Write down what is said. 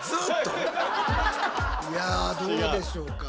いやどうでしょうか。